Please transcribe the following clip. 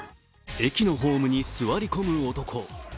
駅のホームに座り込む男。